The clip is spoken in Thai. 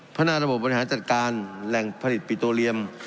หน้าระบบบริหารจัดการแหล่งผลิตปิโตเรียม